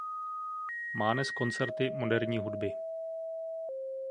Mánes koncerty moderní hudby.